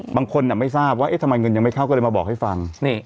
ไม่ทราบว่าทำไมเงินยังไม่เข้าก็เลยมาบอกให้ฟัง